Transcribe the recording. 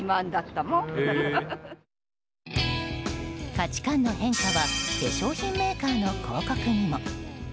価値観の変化は化粧品のメーカーの広告にも。